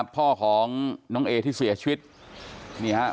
พ่อของน้องเอที่เสียชีวิต